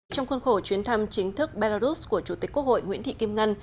trong khuôn khổ chuyến thăm chính thức belarus của chủ tịch quốc hội nguyễn thị kim ngân